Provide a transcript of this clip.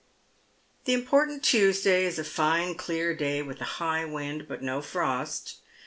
The important Tuesday is a tine clear day, with a high wind, but no frost.